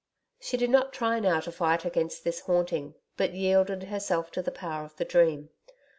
She did not try now to fight against this haunting, but yielded herself to the power of the dream.